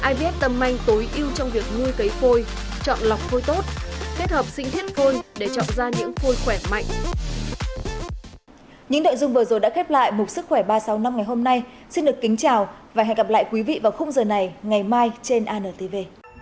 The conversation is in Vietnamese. ivf tâm anh tối ưu trong việc nuôi cấy phôi chọn lọc phôi tốt kết hợp sinh thiết phôi để chọn ra những phôi khỏe mạnh